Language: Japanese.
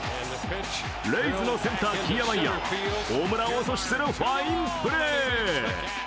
レイズのセンター・キーアマイヤーホームランを阻止するファインプレー。